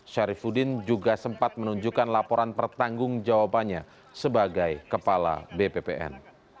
syarifudin juga sempat menunjukkan laporan pertanggung jawabannya sebagai kepala bppn